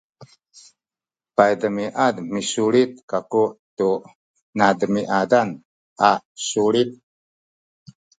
paydemiad misulit kaku tu nademiad a sulit